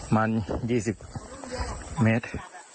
มามันยี่สิบเมตร